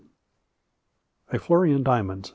A FLURRY IN DIAMONDS.